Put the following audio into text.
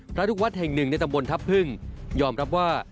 พระลูกวัดแห่งหนึ่งในตำบลทัพพึ่งยอมรับว่า